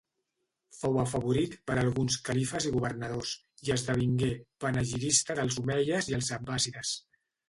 Fou afavorit per alguns califes i governadors, i esdevingué panegirista dels omeies i els abbàssides.